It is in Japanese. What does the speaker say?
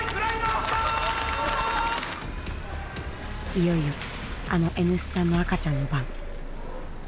いよいよあのＮ産の赤ちゃんの番。